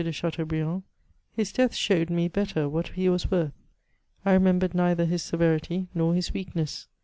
de Chateaahriand : his death showed me better what he was worth ; I remembered neither his severity, nor his weakness.